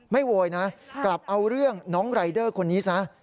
โวยนะกลับเอาเรื่องน้องรายเดอร์คนนี้ซะ